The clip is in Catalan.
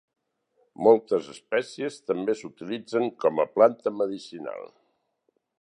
Moltes espècies també s'utilitzen com a planta medicinal.